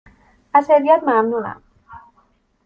از هدیهات ممنونم.